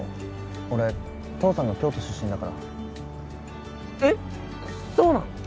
俺父さんが京都出身だからえっそうなの？